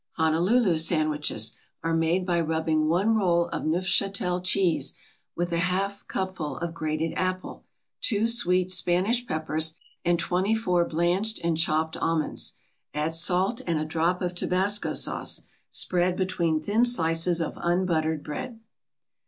HONOLULU SANDWICHES are made by rubbing one roll of Neufchatel cheese with a half cupful of grated apple, two sweet Spanish peppers, and twenty four blanched and chopped almonds. Add salt and a drop of Tabasco sauce. Spread between thin slices of unbuttered bread.